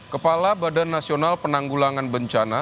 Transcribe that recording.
kepala badan nasional penanggulangan bencana